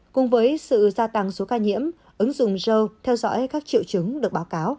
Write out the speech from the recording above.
cùng với sự gia tăng số ca nhiễm ứng dụng joe theo dõi các triệu chứng được báo cáo